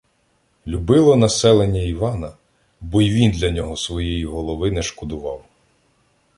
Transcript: Любило населення Івана, бо й він для нього своєї голови не шкодував.